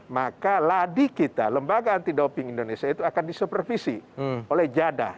maka ladi kita lembaga anti doping indonesia itu akan disupervisi oleh jadah